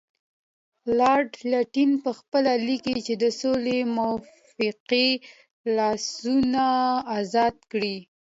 لارډ لیټن پخپله لیکي چې د سولې موافقې لاسونه ازاد کړل.